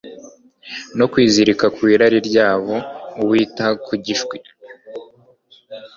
no kwizirika ku irari ryabo Uwita ku gishwi